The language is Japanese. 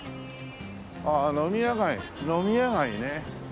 ああ飲み屋街飲み屋街ね。